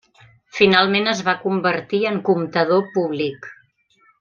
Finalment es va convertir en comptador públic.